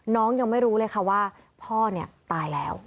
ยังไม่รู้เลยค่ะว่าพ่อเนี่ยตายแล้ว